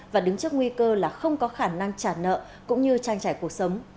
và đứng trước nguy cơ là không có khả năng trả nợ cũng như trang trải cuộc sống